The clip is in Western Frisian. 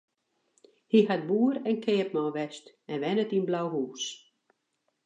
Hy hat boer en keapman west en wennet yn Blauhús.